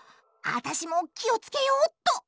あたしも気を付けよっと！